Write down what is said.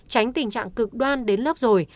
tránh tình trạng cực đoan đến lớp rồi